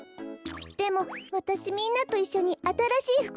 でもわたしみんなといっしょにあたらしいふくをかいたいの。